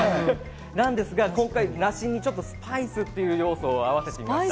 なんですが、今回、梨にスパイスという要素をあわせております。